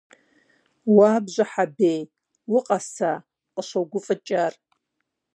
Уа, Бжьыхьэ бей, укъэса?! – къыщогуфӏыкӏ ар.